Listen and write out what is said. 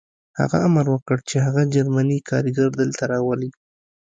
هغه امر وکړ چې هغه جرمنی کارګر دلته راولئ